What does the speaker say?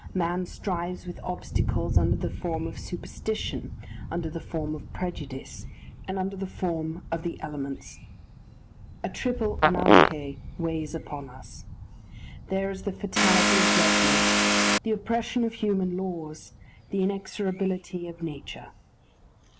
Man strives with obstacles under the form of superstition, under the form of prejudice, and under the form of the elements. A triple [Greek: anagkê] weighs upon us. There is the fatality of dogmas, the oppression of human laws, the inexorability of nature.